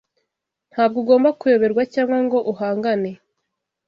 Ntabwo ugomba kuyoberwa cyangwa ngo uhangane